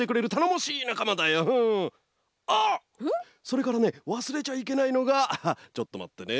それからねわすれちゃいけないのがちょっとまってね。